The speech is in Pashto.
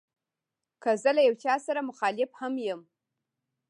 که زه له یو چا سره مخالف هم یم.